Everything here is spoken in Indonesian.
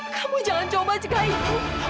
kamu jangan coba jika itu